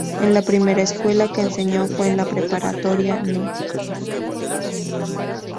En la primera escuela que enseñó fue en la Preparatorio no.